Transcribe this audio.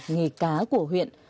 nghề cá của huyện